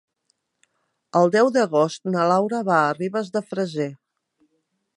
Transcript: El deu d'agost na Laura va a Ribes de Freser.